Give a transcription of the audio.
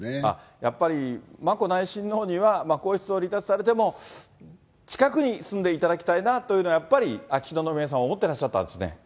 やっぱり眞子内親王には、皇室を離脱されても、近くに住んでいただきたいなというのは、やっぱり秋篠宮さまは思ってらっしゃったんですね。